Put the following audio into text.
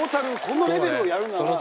このレベルをやるなら。